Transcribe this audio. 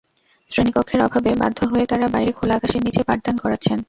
শ্রেণীকক্ষের অভাবে বাধ্য হয়ে তাঁরা বাইরে খোলা আকাশের নিচে পাঠদান করাচ্ছেন।